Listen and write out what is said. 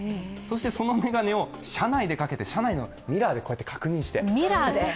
そのメガネを車内でかけて車内のミラーで確認して。